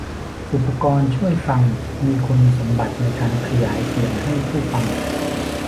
อุปกรณ์ช่วยฟังมีคุณสมบัติในการขยายเสียงให้ผู้ฟัง